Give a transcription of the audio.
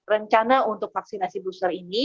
rencana untuk vaksinasi booster ini